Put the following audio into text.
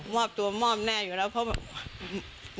มอบตัวมอบแน่อยู่แล้วเพราะไม่ให้ลูกนี้